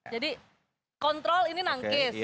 jadi kontrol ini nangkis